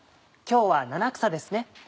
今日は七草ですね